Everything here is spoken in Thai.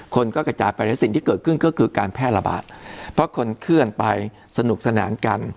คนก็กระจายไปในสิ่งที่เกิดขึ้นก็คือการแพร่ระบาดเพราะคนเคลื่อนไปสนุกสนานกัน